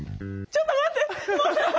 ちょっと待って！